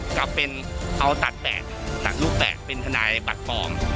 ก็เป็นเอาตัดแปะตัดรูปแปะเป็นธนายบัตรฟอร์ม